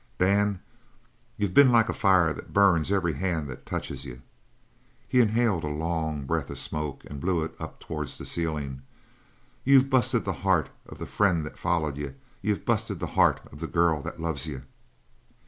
"Dan, you been like a fire that burns every hand that touches you." He inhaled a long breath of smoke and blew it up towards the ceiling. "You've busted the heart of the friend that follered you; you've busted the heart of the girl that loves you."